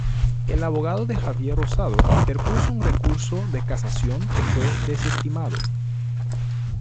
El abogado de Javier Rosado interpuso un recurso de casación que fue desestimado.